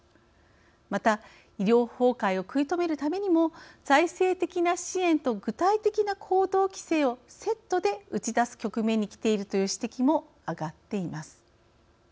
また医療崩壊を食い止めるためにも財政的な支援と具体的な行動規制をセットで打ち出す局面にきているという指摘も上がっています。